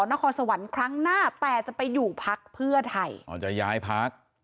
นครสวรรค์ครั้งหน้าแต่จะไปอยู่พักเพื่อไทยอ๋อจะย้ายพัก